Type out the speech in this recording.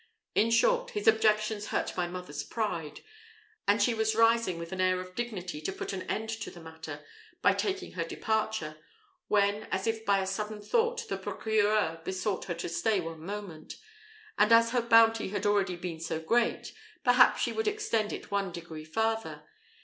In short, his objections hurt my mother's pride, and she was rising with an air of dignity to put an end to the matter, by taking her departure, when, as if by a sudden thought, the procureur besought her to stay one moment, and as her bounty had already been so great, perhaps she would extend it one degree farther.